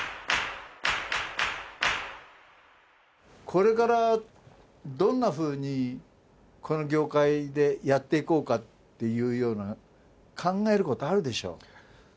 これからどんなふうにこの業界でやっていこうかって考えることあるでしょ？